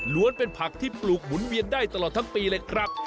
เป็นผักที่ปลูกหมุนเวียนได้ตลอดทั้งปีเลยครับ